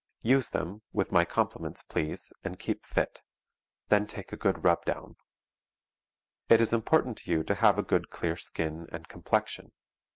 Use them, with my compliments, please, and keep fit; then take a good rub down. It is important to you to have a good clear skin and complexion.